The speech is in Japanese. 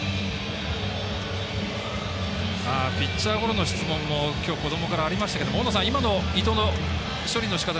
ピッチャーゴロの質問も今日、こどもからありましたけど大野さん伊藤の処理のしかた